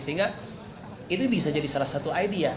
sehingga itu bisa jadi salah satu ide